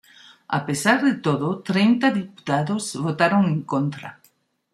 A pesar de todo treinta diputados votaron en contra.